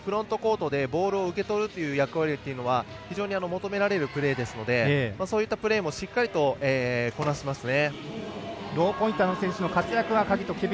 乗松はフロントコートでボールを受け取る役割は非常に求められるプレーですのでそういったプレーもしっかりとこなしますね。